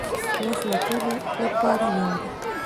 وخت د ټولو لپاره یو دی.